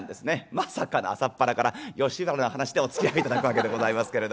まさかの朝っぱらから吉原の噺でおつきあいいただくわけでございますけれども。